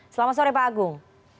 selamat sore pak agung